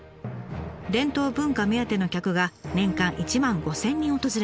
伝統文化目当ての客が年間１万５，０００人訪れます。